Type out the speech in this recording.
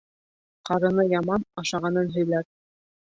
Ҡарыны яман ашағанын һөйләр.